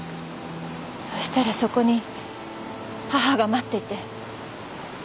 そしたらそこに母が待っていて。